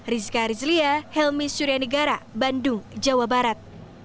rizka rizlia helmi suryanegara bandung jawa barat